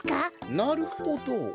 なるほど。